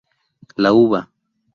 La Uva.